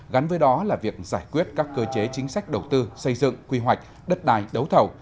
gắn với đó là việc giải quyết các cơ chế chính sách đầu tư xây dựng quy hoạch đất đài đấu thầu